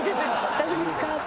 「大丈夫ですか？」。